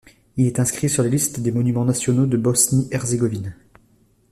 Il est inscrit sur la liste des monuments nationaux de Bosnie-Herzégovine.